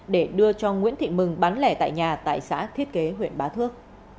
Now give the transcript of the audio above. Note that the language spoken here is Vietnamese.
để đưa cho nguyễn thị mừng bán lẻ tại nhà tại xã thiết kế huyện bá thước